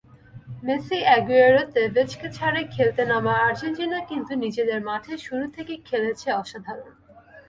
মেসি-আগুয়েরো-তেভেজকে ছাড়াই খেলতে নামা আর্জেন্টিনা কিন্তু নিজেদের মাঠে শুরু থেকেই খেলেছে অসাধারণ।